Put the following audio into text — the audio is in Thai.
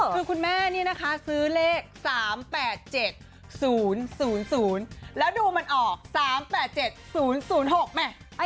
คือคุณแม่นี่นะคะซื้อเลข๓๘๗๐๐แล้วดูมันออก๓๘๗๐๐๖แม่